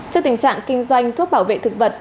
trước tình trạng kinh doanh thuốc bảo vệ thực vật